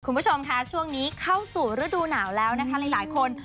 คุณผู้ชมค่ะช่วงนี้เข้าสู่ฤดูหนาวแล้วนะคะหลายคน